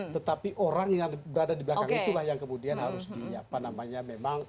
tetapi orang yang berada di belakang itulah yang kemudian harus di apa namanya memang